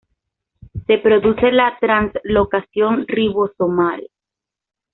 Se produce la translocación ribosomal.